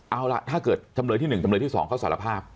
เอาล่ะถ้าเกิดจำเลยที่๑จำเลยที่๒เขาสารภาพ